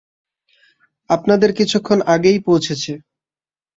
আপনাদের কিছুক্ষণ আগেই পৌছেছে।